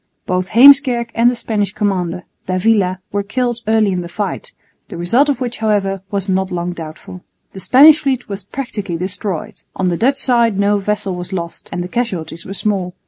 Both Heemskerk and the Spanish commander, d'Avila, were killed early in the fight, the result of which however was not long doubtful. The Spanish fleet was practically destroyed. On the Dutch side no vessel was lost and the casualties were small.